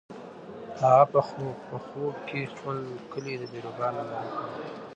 هغه په خوب کې د خپل کلي د بیروبار ننداره کوله.